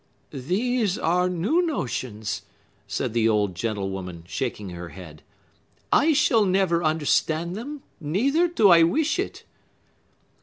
"These are new notions," said the old gentlewoman, shaking her head. "I shall never understand them; neither do I wish it."